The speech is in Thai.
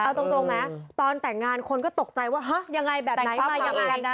เอาตรงไหมตอนแต่งงานคนก็ตกใจว่าฮะยังไงแบบไหนปั๊บพยายามนะ